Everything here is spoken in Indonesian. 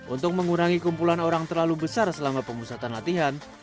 untuk mengurangi kumpulan orang terlalu besar selama pemusatan latihan